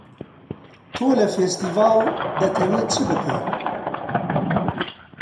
تۆ لە فێستیڤاڵ دەتەوێ چ بکەی؟